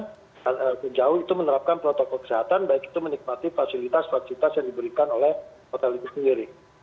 sejauh itu menerapkan protokol kesehatan baik itu menikmati fasilitas fasilitas yang diberikan oleh hotel itu sendiri